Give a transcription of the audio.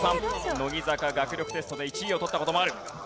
乃木坂学力テストで１位を取った事もある。